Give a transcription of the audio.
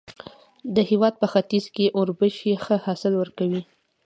د هېواد په ختیځ کې اوربشې ښه حاصل ورکوي.